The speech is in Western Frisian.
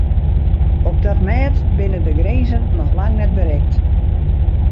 Op dat mêd binne de grinzen noch lang net berikt.